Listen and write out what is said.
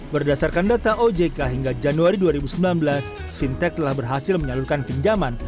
berdasarkan data ojk hingga januari dua ribu sembilan belas fintech telah berhasil menyalurkan pinjaman